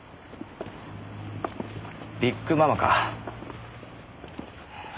ビッグママか。